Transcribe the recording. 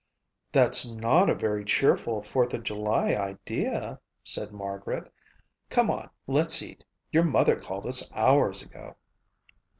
"That's not a very cheerful Fourth of July idea," said Margaret. "Come on, let's eat. Your mother called us hours ago."